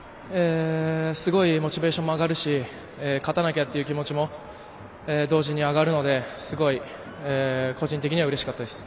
すごくモチベーションも上がるし勝たなきゃという気持ちも同時に上がるので、すごく個人的にはうれしかったです。